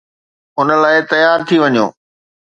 ان لاءِ تيار ٿي وڃو.